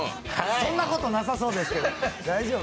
そんなことなさそうですけど大丈夫？